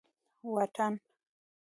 واټن